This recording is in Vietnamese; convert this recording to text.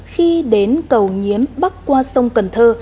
khi đến cầu nhiếm bắc qua sông cần thơ